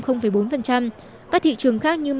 các thị trường khác như manila cũng tăng thêm bốn